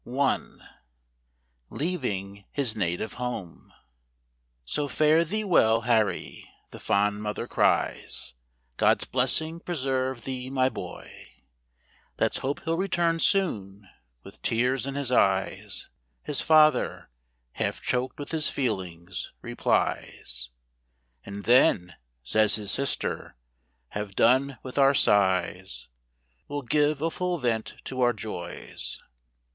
1. Leaving his native home . SO fare thee well, Harry, the fond mother cries, God's blessing preserve thee my boy; Let's hope he'll return soon, (with tears in his eyes) His father (half choked with his feelings) replies; And then, says his sister, have done with our sighs, We'll give a full vent to our joys.